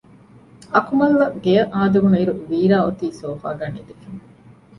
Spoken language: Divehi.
އަކުމަލްއަށް ގެއަށް އާދެވުނުއިރު ވީރާ އޮތީ ސޯފާގައި ނިދިފަ